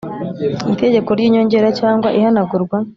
itegeko ry inyongera cyangwa ihanagurwa